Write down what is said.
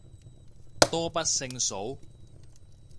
多不勝數